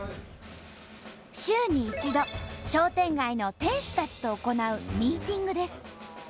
週に１度商店街の店主たちと行うミーティングです。